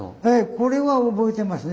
これは覚えてますね。